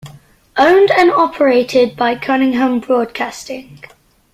Owned and operated by Cunningham Broadcasting.